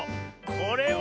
これは。